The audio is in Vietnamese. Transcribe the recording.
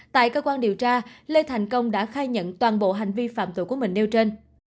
tại cơ quan điều tra lê thành công đã khai nhận toàn bộ hành vi phạm tội của mình nêu trên